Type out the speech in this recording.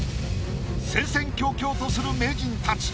戦々恐々とする名人たち。